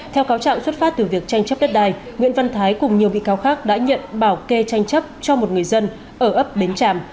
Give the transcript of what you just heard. theo cáo trạng xuất phát từ việc tranh chấp đất đài nguyễn văn thái cùng nhiều bị cáo khác đã nhận bảo kê tranh chấp cho một người dân ở ấp bến tràm